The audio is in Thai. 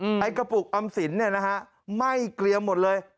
อืมไอักปุกอ่ำสินเนี้ยนะคะไหม้เกลียมหมดเลย